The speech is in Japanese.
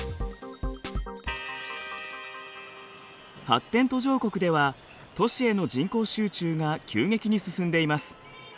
発展途上国では都市への人口集中が急激に進んでいます。